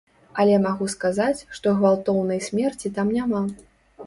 Але магу сказаць, што гвалтоўнай смерці там няма.